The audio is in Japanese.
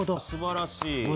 すばらしい。